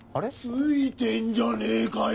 ついてんじゃねえかよ！